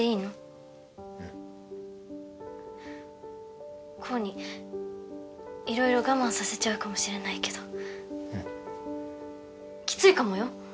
うん煌にいろいろ我慢させちゃうかもしれないけどうんきついかもよ？